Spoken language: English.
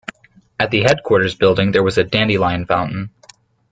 At the headquarters building there was the dandelion fountain.